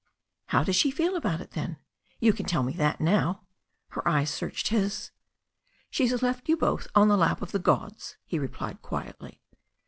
"How does she feel about it then? You can tell me that now." Her eyes searched his. "She has left you both on the lap of the gods," he re plied quietly.